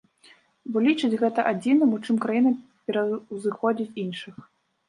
Бо лічыць гэта адзіным, у чым краіна пераўзыходзіць іншых.